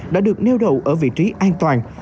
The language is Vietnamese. đã được nêu đạo ở vị trí an toàn